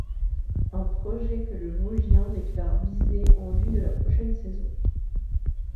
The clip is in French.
Un projet que le vosgien déclare viser en vue de la prochaine saison.